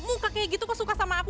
muka kayak gitu kok suka sama aku